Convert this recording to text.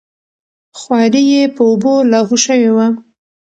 خواري یې په اوبو لاهو شوې وه.